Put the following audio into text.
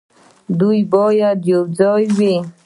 دوی باید یوځای وي.